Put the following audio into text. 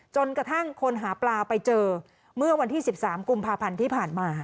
จนกระทั่งคนหาปลาไปเจอเมื่อวันที่๑๓กุมภาพันธ์ที่ผ่านมา